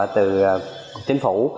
từ chính phủ